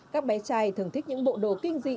các bé trai thường thích những bộ đồ kinh dị